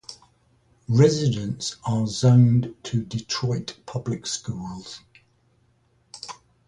Residents are zoned to Detroit Public Schools.